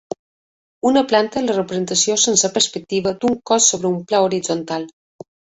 Una planta és la representació sense perspectiva d'un cos sobre un pla horitzontal.